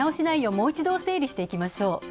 もう一度、整理していきましょう。